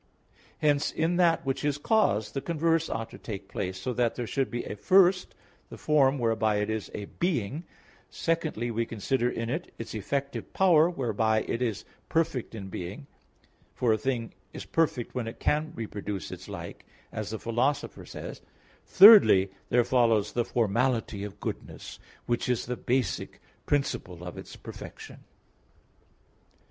Hence in that which is caused the converse ought to take place, so that there should be first, the form whereby it is a being; secondly, we consider in it its effective power, whereby it is perfect in being, for a thing is perfect when it can reproduce its like, as the Philosopher says (Meteor. iv); thirdly, there follows the formality of goodness which is the basic principle of its perfection.